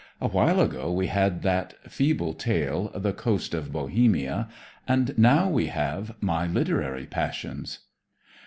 A while ago we had that feeble tale, "The Coast of Bohemia," and now we have "My Literary Passions."